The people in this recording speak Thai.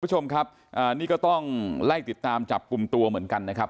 คุณผู้ชมครับอ่านี่ก็ต้องไล่ติดตามจับกลุ่มตัวเหมือนกันนะครับ